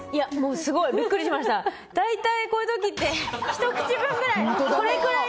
すごいビックリしました大体こういう時って一口分ぐらい